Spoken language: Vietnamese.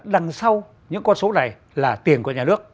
đằng sau những con số này là tiền của nhà nước